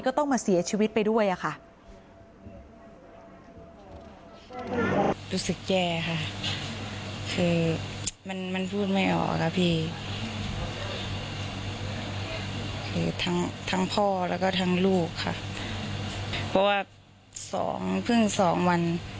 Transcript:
ก็ต้องมาเสียชีวิตไปด้วยค่ะ